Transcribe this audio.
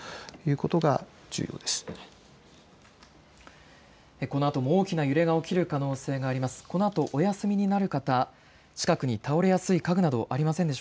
このあとも大きな揺れが起きる可能性があります。